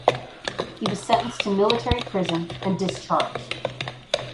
He was sentenced to military prison and discharged.